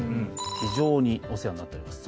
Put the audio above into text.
非常にお世話になっております。